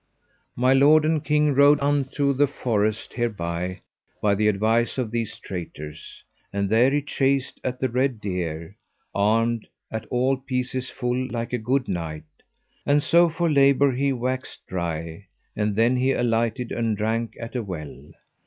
My lord and king rode unto the forest hereby by the advice of these traitors, and there he chased at the red deer, armed at all pieces full like a good knight; and so for labour he waxed dry, and then he alighted, and drank at a well.